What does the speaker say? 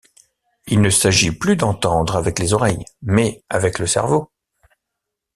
Il ne s'agit plus d'entendre avec les oreilles, mais avec le cerveau.